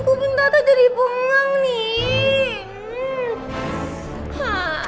kok bintatah jadi bengeng nih